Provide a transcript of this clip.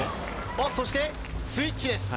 そして、スイッチです。